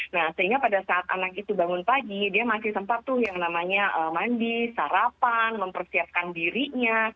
nah sehingga pada saat anak itu bangun pagi dia masih sempat tuh yang namanya mandi sarapan mempersiapkan dirinya